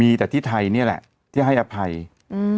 มีแต่ที่ไทยเนี้ยแหละที่ให้อภัยอืม